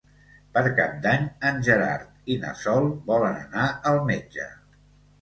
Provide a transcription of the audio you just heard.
Per Cap d'Any en Gerard i na Sol volen anar al metge.